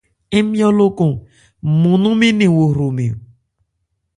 Ńmyɔ́ lókɔn nmɔn nɔn mɛɛ́n nɛn wo hromɛn.